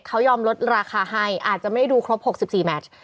เขายอมลดราคาให้อาจจะไม่ได้ดูครบ๖๔แมช